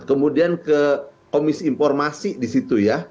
kemudian ke komisi informasi di situ ya